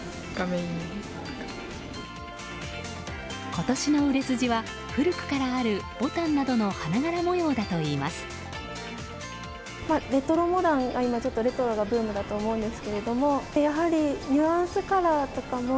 今年の売れ筋は古くからある牡丹などの花柄模様だといいます。